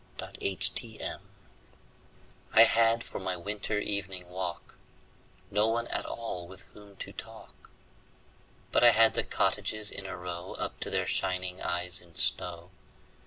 Good Hours I HAD for my winter evening walk No one at all with whom to talk, But I had the cottages in a row Up to their shining eyes in snow.